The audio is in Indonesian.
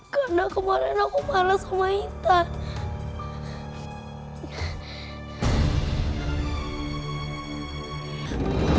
karena kemarin aku malas kemainkan